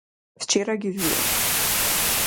Вчера ги видов.